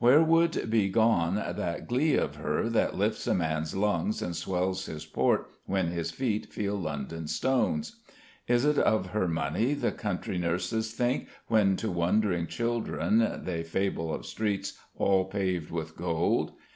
Where would be gone that glee of her that lifts a man's lungs and swells his port when his feet feel London stones? Is't of her money the country nurses think when to wondering children they fable of streets all paved with gold?